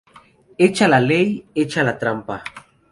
Hecha la ley, hecha la trampa